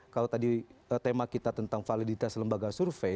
kalau tadi tema kita tentang validitas lembaga survei